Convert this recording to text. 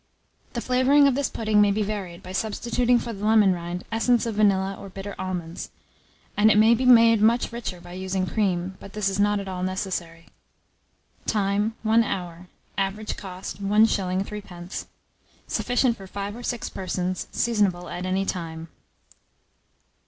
The flavouring of this pudding may be varied by substituting for the lemon rind essence of vanilla or bitter almonds; and it may be made much richer by using cream; but this is not at all necessary. Time. 1 hour. Average cost, 1s. 3d. Sufficient for 5 or 6 persons. Seasonable at any time.